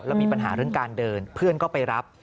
แล้วมีปัญหาเรื่องการเดินเพื่อนก็ไปรับ